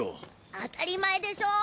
当たり前でしょ。